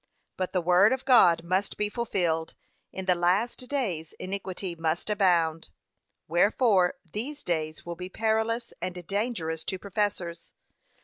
But the word of God must be fulfilled; in the last days iniquity must abound; wherefore these days will be perilous and dangerous to professors.